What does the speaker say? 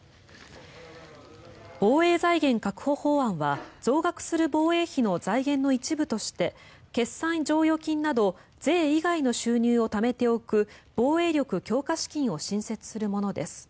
防衛財源確保法案は増額する防衛費の財源の一部として決算剰余金など税以外の収入をためておく防衛力強化資金を新設するものです。